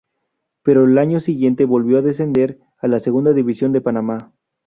Pero el año siguiente volvió a descender a la Segunda División de Panamá.